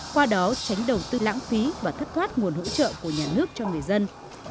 qua đó tránh đầu tư lãng phí và thất thoát nguồn hỗ trợ của nhà nước cho người dân